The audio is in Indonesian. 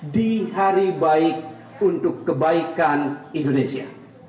di hari baik untuk kebaikan indonesia